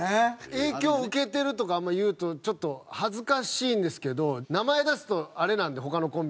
影響を受けてるとかあんま言うとちょっと恥ずかしいんですけど名前出すとあれなんで他のコンビなんで。